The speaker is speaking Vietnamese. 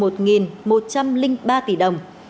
sadeco một một trăm linh ba tỷ đồng